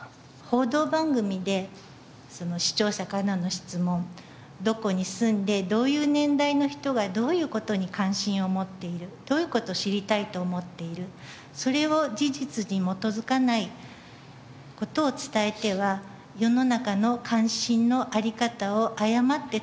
報道番組で視聴者からの質問どこに住んでどういう年代の人がどういう事に関心を持っているどういう事を知りたいと思っているそれを事実に基づかない事を伝えては世の中の関心の在り方を誤って伝える。